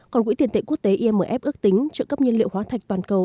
còn quỹ tiền tệ quốc tế imf ước tính trợ cấp nhiên liệu hóa thạch toàn cầu